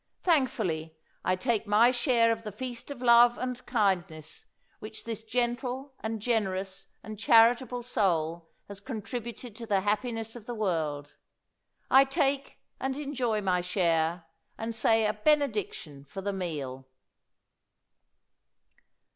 Thankfully I take my share of the feast of love and kindness which this gentle, and generous, and charitable soul has contributed to the happi ness of the world. I take and enjoy my share, and say a Benediction for the meal."